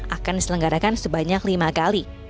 akan diselenggarakan sebanyak lima kali